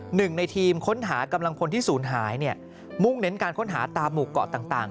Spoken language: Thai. หนึ่งในทีมค้นหากำลังพลที่ศูนย์หายเนี่ยมุ่งเน้นการค้นหาตามหมู่เกาะต่าง